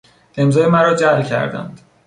امضای مرا جعل کردند.